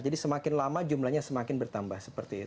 jadi semakin lama jumlahnya semakin bertambah